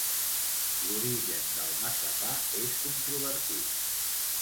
L'origen del massapà és controvertit.